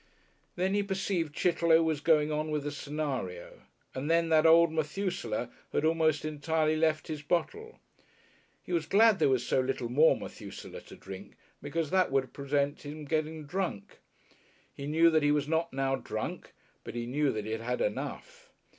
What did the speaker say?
Then he perceived Chitterlow was going on with the scenario, and then that old Methusaleh had almost entirely left his bottle. He was glad there was so little more Methusaleh to drink because that would prevent his getting drunk. He knew that he was not now drunk, but he knew that he had had enough.